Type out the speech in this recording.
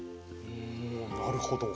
おなるほど。